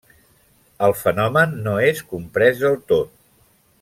El fenomen no és comprès del tot.